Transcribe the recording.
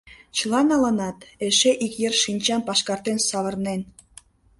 Чыла налынат, эше ик йыр шинчам пашкартен савырнен.